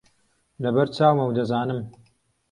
لەبەر چاومە و دەزانم